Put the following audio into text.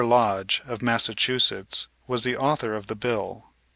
Lodge, of Massachusetts, was the author of the bill.